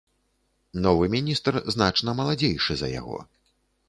Новы міністр значна маладзейшы за яго.